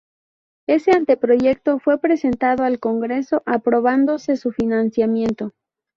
Ese anteproyecto fue presentado al Congreso, aprobándose su financiamiento.